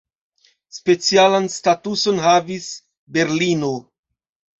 Specialan statuson havis Berlino.